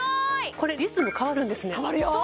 これリズム変わるんですね変わるよ